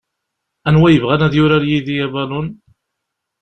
Anwa yebɣan ad yurar yid-i abalun?